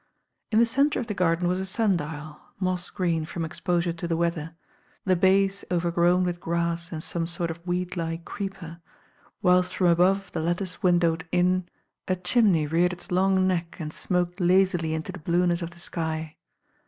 In the centre of the garden was a sundial, mess green from exposure to the weather, the base over grown with grass and some sort of weed like creeper, whilst from above the lattice windowed inn, a chimney reared its long neck and smoked lazily into the blueness of the sky.